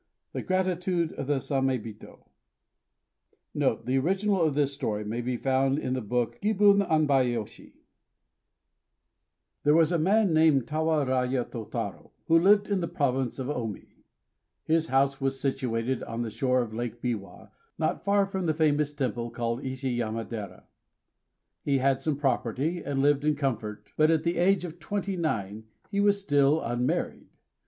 The Gratitude of the Samébito [Decoration] The original of this story may be found in the book called Kibun Anbaiyoshi THERE was a man named Tawaraya Tôtarô, who lived in the Province of Ômi. His house was situated on the shore of Lake Biwa, not far from the famous temple called Ishiyamadera. He had some property, and lived in comfort; but at the age of twenty nine he was still unmarried.